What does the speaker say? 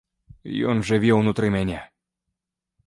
Ён жыве ўнутры мяне.